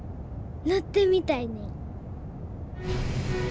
乗ってみたいねん。